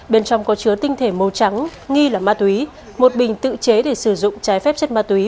bên trong có chứa tinh thể màu trắng nghi là ma túy một bình tự chế để sử dụng trái phép chất ma túy